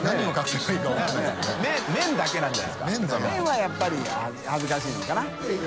やっぱり恥ずかしいのかな。